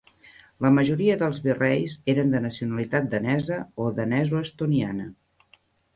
La majoria dels virreis eren de nacionalitat danesa o danesoestoniana.